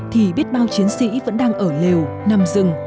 thì biết bao chiến sĩ vẫn đang ở lều nằm rừng